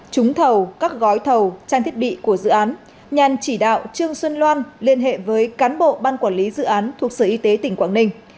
trúng thầu các gói thầu trang thiết bị của dự án nhàn chỉ đạo trương xuân loan liên hệ với cán bộ ban quản lý dự án thuộc sở y tế tỉnh quảng ninh